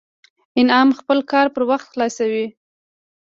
انعام خپل کار پر وخت خلاصوي